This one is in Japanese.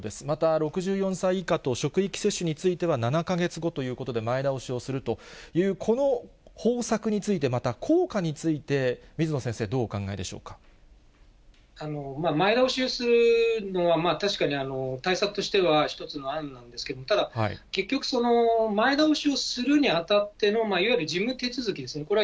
また６４歳以下と、職域接種については７か月後ということで、前倒しをするという、この方策について、また効果について、水野先生、どうお考えでし前倒しをするのは、確かに対策としては１つの案なんですけれども、ただ、結局、前倒しをするにあたってのいわゆる事務手続きですね。